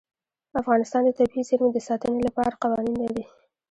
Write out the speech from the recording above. افغانستان د طبیعي زیرمې د ساتنې لپاره قوانین لري.